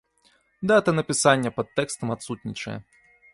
Дата напісання пад тэкстам адсутнічае.